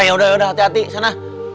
yaudah yaudah hati hati sana